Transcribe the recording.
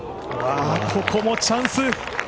ここもチャンス！